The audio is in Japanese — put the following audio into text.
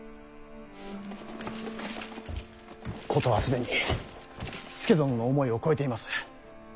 事は既に佐殿の思いを超えています。